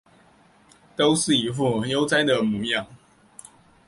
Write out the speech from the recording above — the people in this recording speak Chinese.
都是一副悠哉的模样